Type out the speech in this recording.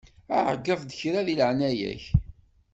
Ɛeyyeḍ-d kra di leɛnaya-k.